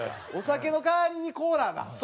お酒の代わりにコーラだ。